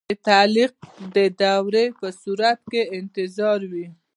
د تعلیق د دورې په صورت کې انتظار وي.